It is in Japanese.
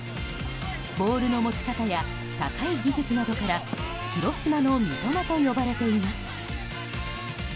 ボールの持ち方や高い技術などから広島の三笘と呼ばれています。